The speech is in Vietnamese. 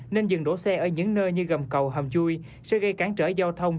nên dừng đổ xe ở những nơi như gầm cầu hầm chui sẽ gây cản trở giao thông